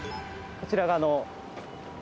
こちらが。